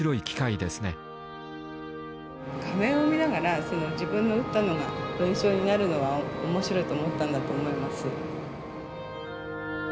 画面を見ながらその自分の打ったのが文章になるのが面白いと思ったんだと思います。